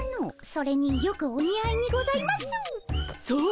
それによくお似合いにございます。